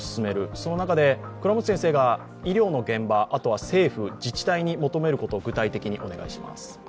その中で医療の現場、あとは政府、自治体に求めること、具体的にお願いします。